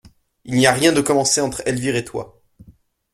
Il n'y a rien de commencé entre Elvire et toi.